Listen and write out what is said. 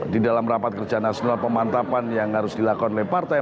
di dalam rapat kerja nasional pemantapan yang harus dilakukan oleh partai